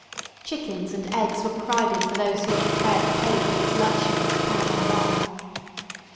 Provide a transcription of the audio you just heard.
Chickens and eggs were provided for those who were prepared to pay for these luxuries of Panama life.